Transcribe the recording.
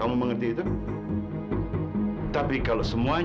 ibu merasa kalau